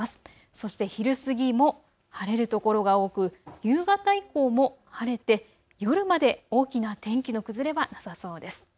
そして昼過ぎも晴れる所が多く夕方以降も晴れて夜まで大きな天気の崩れはなさそうです。